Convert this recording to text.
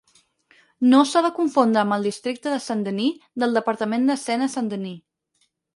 No s'ha de confondre amb el Districte de Saint-Denis del departament de Sena Saint-Denis.